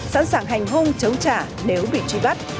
sẵn sàng hành hung chống trả nếu bị truy bắt